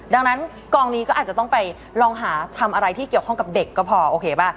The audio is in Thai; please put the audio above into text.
ดังนั้นกองนี้ก็อาจจะต้องไปลองหาทำอะไรที่เกี่ยวข้องกับเด็กก็พอโอเคป่ะ